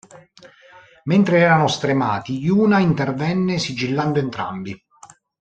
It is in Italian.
Mentre erano stremati, Yuna intervenne sigillando entrambi.